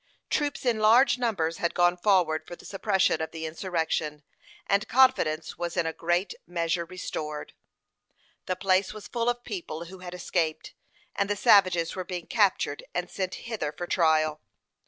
Troops in large numbers had gone forward for the suppression of the insurrection, and confidence was in a great measure restored. The place was full of people who had escaped, and the savages were being captured and sent hither for trial.